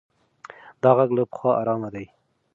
دا غږ له پخوا ارام دی.